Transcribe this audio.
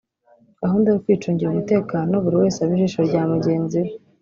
gahunda yo kwicungira umutekano buri wese aba ijishoi rya mugenzi we